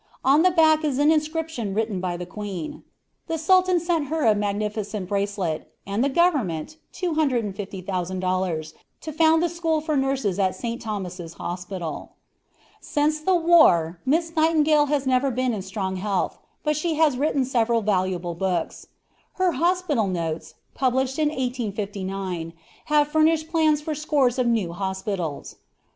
On the back is an inscription written by the Queen. The Sultan sent her a magnificent bracelet, and the government, $250,000, to found the school for nurses at St. Thomas' Hospital. Since the war, Miss Nightingale has never been in strong health, but she has written several valuable books. Her Hospital Notes, published in 1859, have furnished plans for scores of new hospitals.